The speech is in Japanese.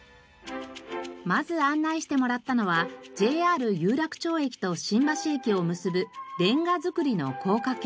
まず案内してもらったのはＪＲ有楽町駅と新橋駅を結ぶレンガ造りの高架橋。